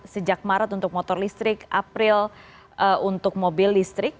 sejak maret untuk motor listrik april untuk mobil listrik